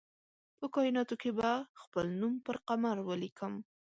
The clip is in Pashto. په کائیناتو کې به خپل نوم پر قمر ولیکم